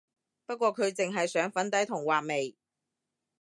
不過佢淨係上粉底同畫眉